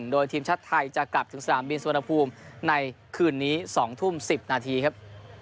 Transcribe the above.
โดยทีมชาติไทยจะกลับถึงสนามบินสุวรรณภูมิในคืนนี้๒ทุ่ม๑๐นาทีครับ